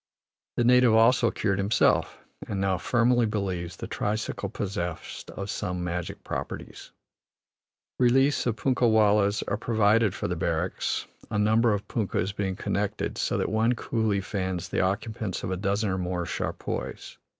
The native also cured himself, and now firmly believes the tricycle possessed of some magic properties. Reliefs of punkah wallahs are provided for the barracks, a number of punkahs being connected so that one coolie fans the occupants of a dozen or more charpoys.